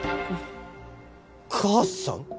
母さん！？